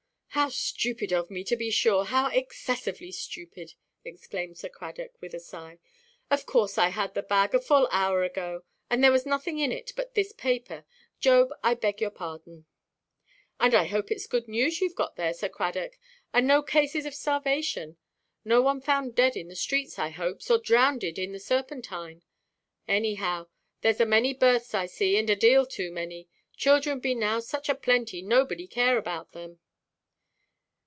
"How stupid of me, to be sure, how excessively stupid!" exclaimed Sir Cradock, with a sigh; "of course I had the bag, a full hour ago; and there was nothing in it but this paper. Job, I beg your pardon." "And I hope itʼs good news youʼve got there, Sir Cradock, and no cases of starvation; no one found dead in the streets, I hopes, or drownded in the Serpentine. Anyhow, thereʼs a many births, I see, and a deal too many. Children be now such a plenty nobody care about them."